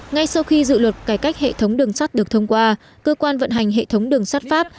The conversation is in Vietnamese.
ngay sau khi dự luật cải cách hệ thống đường sắt được thông qua cơ quan vận hành hệ thống đường sắt pháp